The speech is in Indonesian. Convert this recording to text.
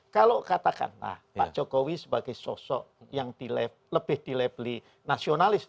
kalau katakanlah pak jokowi sebagai sosok yang lebih di labeli nasionalis